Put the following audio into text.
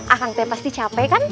akan teh pasti capek kan